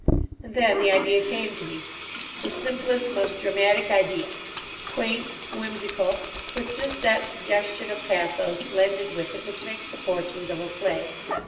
And then the idea came to me. The simplest, most dramatic idea. Quaint, whimsical, with just that suggestion of pathos blended with it which makes the fortunes of a play.